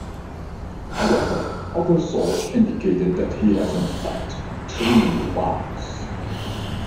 However, other source indicated that he has in fact three wives.